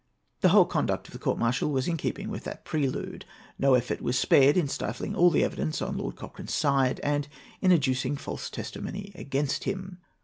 The whole conduct of the court martial was in keeping with that prelude. No effort was spared in stifling all the evidence on Lord Cochrane's side, and in adducing false testimony against him.